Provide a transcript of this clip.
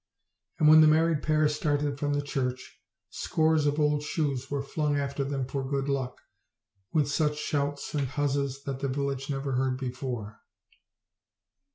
And when the married pair started from the church scores of old shoes were flung after them for good luck, with such shouts and huzzas that the village never heard before.